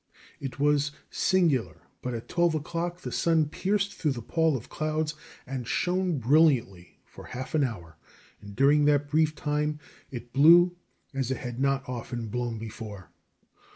It was singular, but at twelve o'clock the sun pierced through the pall of clouds and shone brilliantly for half an hour, and during that brief time it blew as it had not often blown before.